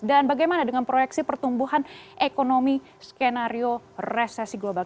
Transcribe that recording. dan bagaimana dengan proyeksi pertumbuhan ekonomi skenario resesi global